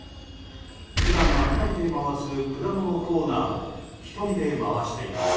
普段は２人で回す果物コーナーも１人で回しています。